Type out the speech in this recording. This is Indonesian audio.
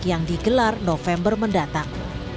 yang digelar november mendatang